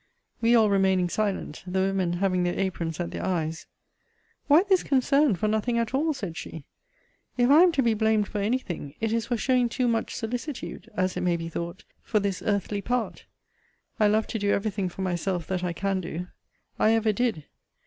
We all remaining silent, the women having their aprons at their eyes, Why this concern for nothing at all? said she. If I am to be blamed for any thing, it is for showing too much solicitude, as it may be thought, for this earthly part. I love to do every thing for myself that I can do. I ever did.